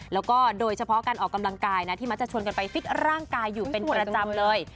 แล้วก็โดยเฉพาะการออกกำลังกายนะที่มักจะชวนกันไปฟิตร่างกายอยู่เป็นประจำเลย